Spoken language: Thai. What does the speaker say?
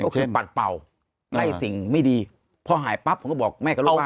ปัดเป่าไล่สิ่งไม่ดีพอหายปั๊บผมก็บอกแม่กับลูกว่า